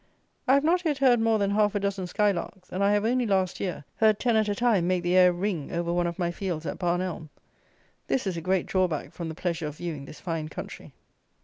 I have not yet heard more than half a dozen skylarks; and I have, only last year, heard ten at a time make the air ring over one of my fields at Barn Elm. This is a great drawback from the pleasure of viewing this fine country.